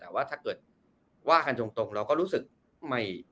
แต่ว่าถ้าเกิดว่ากันตรงเราก็รู้สึกไม่